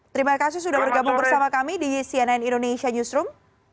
terima kasih sudah bergabung bersama kami di cnn indonesia newsroom